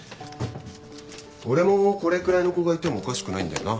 俺もこれくらいの子がいてもおかしくないんだよな。